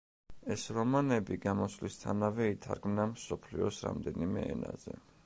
ეს რომანები გამოსვლისთანავე ითარგმნა მსოფლიოს რამდენიმე ენაზე.